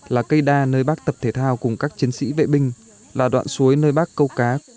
là cây đa nơi bác tập thể thao cùng các chiến sĩ vệ binh là đoạn suối nơi bác câu cá